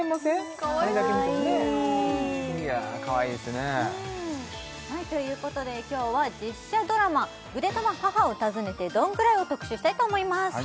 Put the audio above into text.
かわいいいやかわいいですねということで今日は実写ドラマ「ぐでたま母をたずねてどんくらい」を特集したいと思います